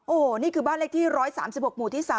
โอ้โหนี่คือบ้านเลขที่๑๓๖หมู่ที่๓